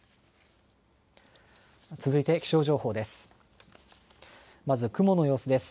続いて気象情報です。